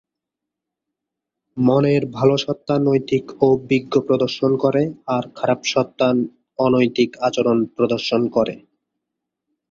মনের ভালো সত্ত্বা নৈতিক ও বিজ্ঞ প্রদর্শন করে আর খারাপ সত্ত্বা অনৈতিক আচরণ প্রদর্শন করে।